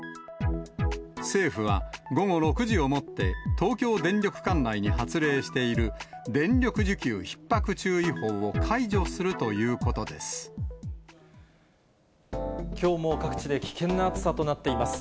政府は、午後６時をもって東京電力管内に発令している電力需給ひっ迫注意きょうも各地で危険な暑さとなっています。